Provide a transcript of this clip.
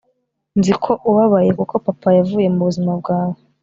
nzi ko ubabaye kuko papa yavuye mubuzima bwawe